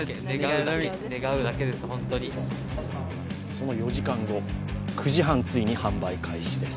その４時間後、９時半、ついに販売開始です。